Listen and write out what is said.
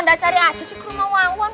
udah cari aja sih ke rumah wawan